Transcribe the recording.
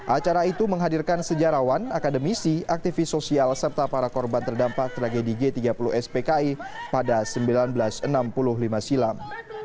acara itu menghadirkan sejarawan akademisi aktivis sosial serta para korban terdampak tragedi g tiga puluh spki pada seribu sembilan ratus enam puluh lima silam